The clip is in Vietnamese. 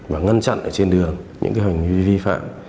và ngăn chặn ở trên đường những hành vi vi phạm